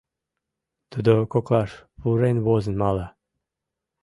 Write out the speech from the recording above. Тудо коклаш пурен возын мала.